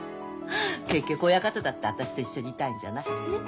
結局親方だって私と一緒にいたいんじゃない。ね？